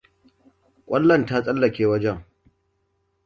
Kwallon ta tsallake wajen.